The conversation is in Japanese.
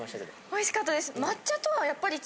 おいしかったです。